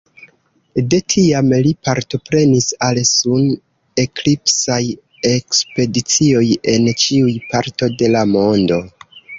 De tiam, li partoprenis al sun-eklipsaj ekspedicioj en ĉiuj parto de la mondo.